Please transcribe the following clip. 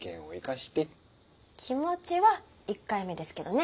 気持ちは１回目ですけどね。